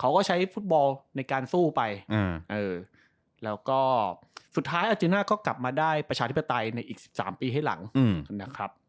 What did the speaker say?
เขาก็ใช้ฟุตบอลในการสู้ไปแล้วก็สุดท้ายอาเจน่าก็กลับมาได้ประชาธิปไตยในอีก๑๓ปีให้หลังนะครับ